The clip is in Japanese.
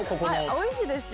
おいしいですよ。